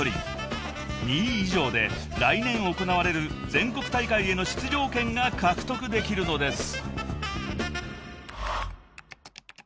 ［２位以上で来年行われる全国大会への出場権が獲得できるのです］